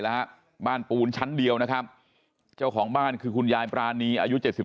แล้วฮะบ้านปูนชั้นเดียวนะครับเจ้าของบ้านคือคุณยายปรานีอายุ๗๒